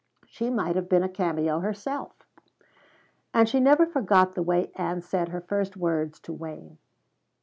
She might have been a cameo herself. And she never forgot the way Ann said her first words to Wayne.